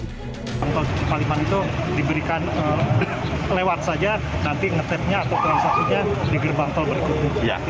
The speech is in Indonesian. cepat saja nanti ngetap nya atau transaksinya di gerbang tol berikutnya